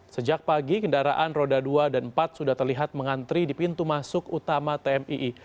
sejak pagi kendaraan roda dua dan empat sudah terlihat mengantri di pintu masuk utama tmii